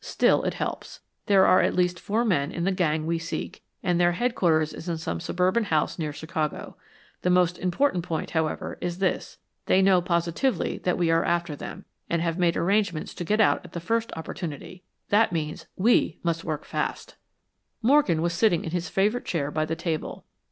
Still it helps. There are at least four men in the gang we seek, and their headquarters is in some suburban house near Chicago. The most important point, however, is this: they know positively that we are after them, and have made arrangements to get out at the first opportunity. That means WE must work fast." Morgan was sitting in his favorite chair by the table.